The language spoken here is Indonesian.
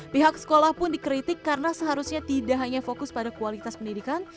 pihak sekolah pun dikritik karena seharusnya tidak hanya fokus pada kualitas pendidikan